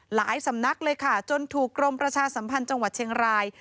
สำนักเลยค่ะจนถูกกรมประชาสัมพันธ์จังหวัดเชียงราย